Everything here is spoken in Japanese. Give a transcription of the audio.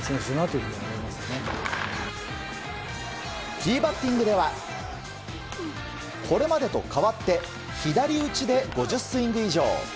ティーバッティングではこれまでと変わって、左打ちで５０スイング以上。